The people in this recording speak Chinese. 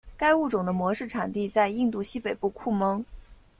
该物种的模式产地在印度西北部库蒙。